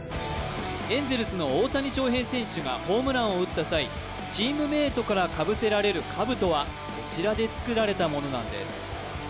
エンゼルスの大谷翔平選手がホームランを打った際チームメイトからかぶせられる兜はこちらで作られたものなんです